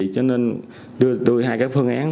cho nên đưa tôi hai cái phương án